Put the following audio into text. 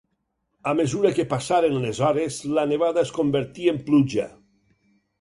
A mesura que passaren les hores, la nevada es convertí en pluja.